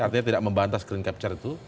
artinya tidak membantah screen capture itu